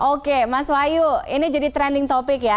oke mas wahyu ini jadi trending topic ya